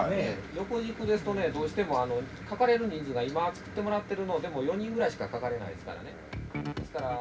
横軸ですとねどうしてもあのかかれる人数が今作ってもらってるのでも４人ぐらいしかかかれないですからね。